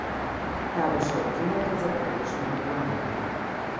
Таа беше обвинета за погрешни обвинувања.